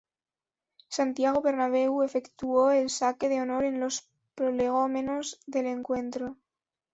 Santiago Bernabeu efectuó el saque de honor en los prolegómenos del encuentro.